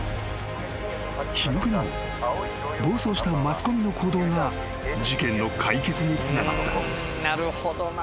［皮肉にも暴走したマスコミの行動が事件の解決につながった］